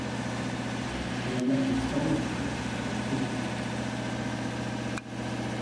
They erected solar panels for electricity.